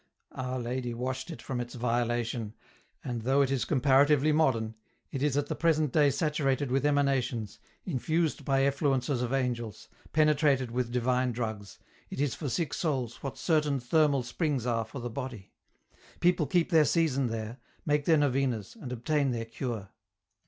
Our Lady washed it from its violation, and though it is comparatively modern, it is at the present day saturated with emanations, infused by effluences of angels, penetrated with divine drugs, it is for sick souls what certain thermal springs are for the body. People keep their season there, make their novenas, and obtain their cure.